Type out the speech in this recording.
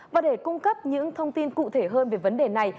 và để cung cấp những thông tin cụ thể hơn về vấn đề này